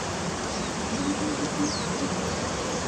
The mixture sounds the upper harmonics of each note of the keyboard.